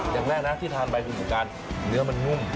อย่างแรกนะที่ทานไปคือการเนื้อมันนุ่ม